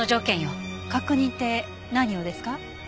確認って何をですか？